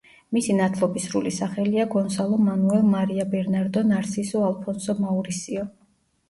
მისი ნათლობის სრული სახელია გონსალო მანუელ მარია ბერნარდო ნარსისო ალფონსო მაურისიო.